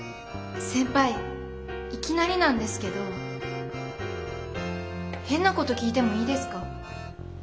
先輩いきなりなんですけど変なこと聞いてもいいですか？